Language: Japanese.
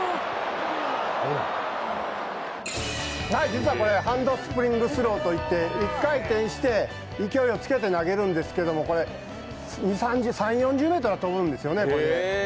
実はこれ、ハンドスプリングスローといって一回転して勢いをつけて投げるんですけど３０４０ｍは飛ぶんですよね、これ。